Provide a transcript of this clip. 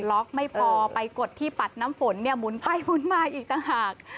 ล็อกไม่พอไปกดที่ปัดน้ำฝนเนี่ยหมุนไปหมุนมาอีกต่างหาก